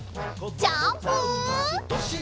ジャンプ！